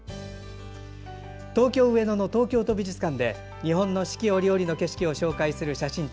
東京・上野の東京都美術館で日本の四季折々の景色を紹介する写真展